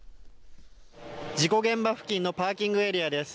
事故現場付近のパーキングエリアです。